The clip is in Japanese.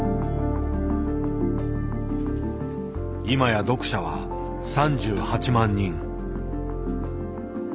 いまや読者は３８万人。